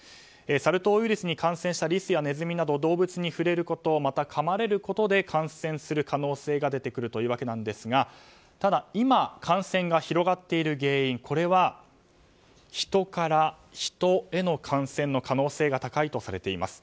サル痘ウイルスに感染したリスやネズミなど動物に触れることまた、かまれることで感染する可能性が出てくるということですがただ、今感染が広がっている原因は人から人への感染の可能性が高いとされています。